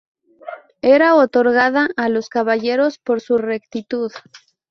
Era otorgada a los caballeros por su rectitud.